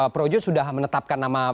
projo sudah menetapkan nama